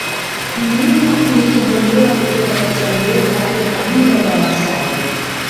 Neno lililotoholewa kutoka katika lugha ya kabila la Wamaasai